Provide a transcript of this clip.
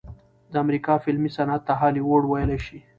د امريکې فلمي صنعت ته هالي وډ وئيلے شي